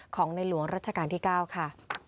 ของในหลวงรัชกาลที่๙ค่ะ